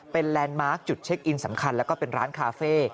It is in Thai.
เป็นแลนด์มาร์คจุดเช็คอินสำคัญแล้วก็เป็นร้านคาเฟ่